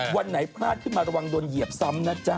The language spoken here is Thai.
วันไหนพลาดขึ้นมาระวังโดนเหยียบซ้ำนะจ๊ะ